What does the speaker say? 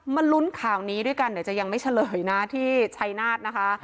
มาลุ้นข่าวนี้ด้วยกันเดี๋ยวจะยังไม่เฉลยนะที่ชัยนาธนะคะ